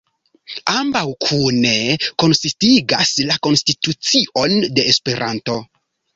Ambaŭ kune konsistigas la konstitucion de Esperanto.